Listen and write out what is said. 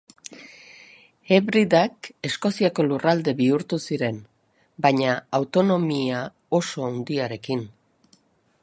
Hebridak Eskoziako lurralde bihurtu ziren, baina autonomia oso handiarekin.